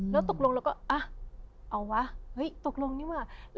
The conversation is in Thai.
แล้วตกลงเราก็เอาวะตกลงนี่เหรอ